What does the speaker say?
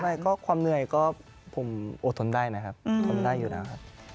ไม่ก็ความเหนื่อยก็ผมอดทนได้นะครับทนได้อยู่แล้วครับ